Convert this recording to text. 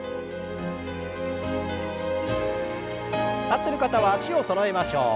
立ってる方は脚をそろえましょう。